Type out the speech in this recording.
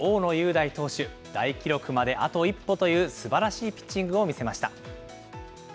大記録まであと一歩というすばらしいピッチングを見せました。